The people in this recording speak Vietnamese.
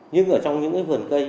nhưng ở trong những cái vườn cây